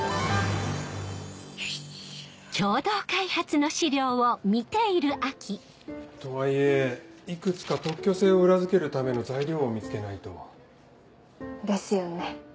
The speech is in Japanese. よし！とはいえいくつか特許性を裏付けるための材料を見つけないと。ですよね。